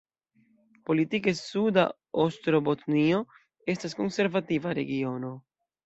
Politike Suda Ostrobotnio estas konservativa regiono.